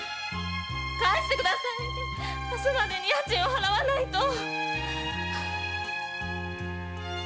帰して下さい明日までに家賃を払わないと。